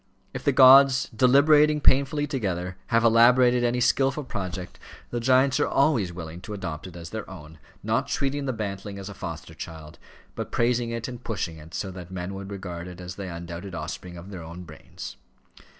If the gods, deliberating painfully together, have elaborated any skilful project, the giants are always willing to adopt it as their own, not treating the bantling as a foster child, but praising it and pushing it so that men should regard it as the undoubted offspring of their own brains.